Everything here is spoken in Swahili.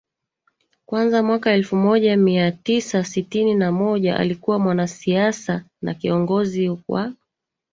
kwanza mwaka elfu moja mia tisa sitini na moja alikuwa mwanasiasa na kiongozi wa